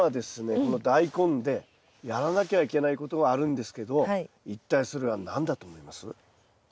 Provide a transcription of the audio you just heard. このダイコンでやらなきゃいけないことがあるんですけど一体それは何だと思います？